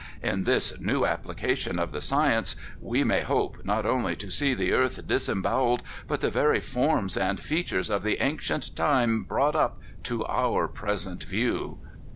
In this new application of the science we may hope not only to see the earth disembowelled, but the very forms and features of the ancient time brought up to our present view.